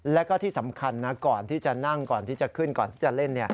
แล้วก็ที่สำคัญนะก่อนที่จะนั่งก่อนที่จะขึ้นก่อนที่จะเล่น